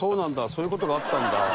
そういう事があったんだ。